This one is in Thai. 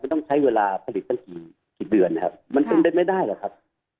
มันต้องใช้เวลาผลิตตั้งสี่เดือนมันจนเรียบมาได้หรอครับ